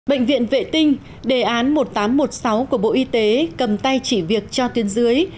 bệnh viện vệ tinh đề án một nghìn tám trăm một mươi sáu của bộ y tế cầm tay chỉ việc cho tuyến dưới